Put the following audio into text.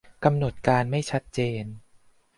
- กำหนดการไม่ชัดเจน